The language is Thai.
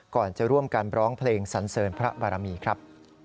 ก่อนจะร่วมกันร้องเพลงสันเสริญพระบารมีครับ